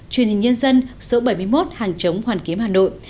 truyền hình nhân dân số bảy mươi một hàng chống hoàn kiếm hà nội